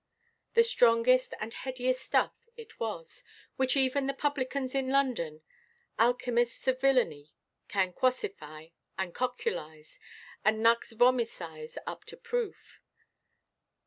The strongest and headiest stuff it was, which even the publicans of London, alchymists of villainy, can quassify, and cocculise, and nux–vomicise up to proof.